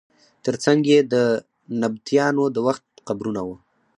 تر څنګ یې د نبطیانو د وخت قبرونه وو.